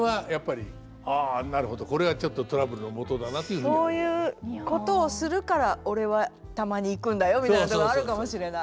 「そういうことをするから俺はたまに行くんだよ」みたいなことがあるかもしれない。